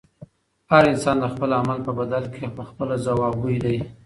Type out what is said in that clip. هر انسان د خپل عمل په بدل کې پخپله ځوابګوی دی.